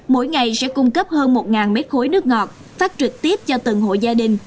mỗi ngày sẽ cung cấp hơn một mét khối nước ngọt phát trực tiếp cho từng hội gia đình